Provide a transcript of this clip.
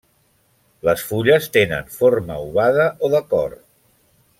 Les fulles tenen forma ovada o de cor.